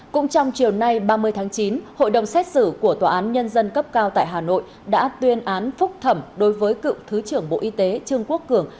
cũng trong chiều nay ba mươi tháng chín hội đồng xét xử của tòa án nhân dân cấp cao tại hà nội đã tuyên án phúc thẩm đối với cựu thứ trưởng bộ y tế trương quốc cường